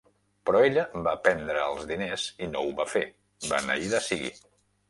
Però ella va prendre els diners i no ho va fer, beneïda sigui.